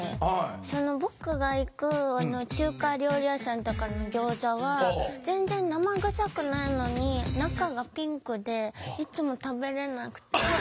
その僕が行く中華料理屋さんとかのギョーザは全然生臭くないのに中がピンクでいつも食べれなくて。